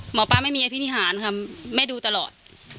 หมอปลาไม่มีอภินิหารค่ะแม่ดูตลอด